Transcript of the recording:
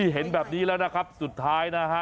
เห็นแบบนี้แล้วนะครับสุดท้ายนะฮะ